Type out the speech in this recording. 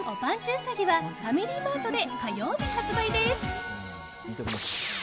うさぎはファミリーマートで火曜日発売です。